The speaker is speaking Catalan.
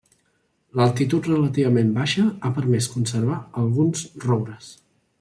L'altitud relativament baixa ha permès conservar alguns roures.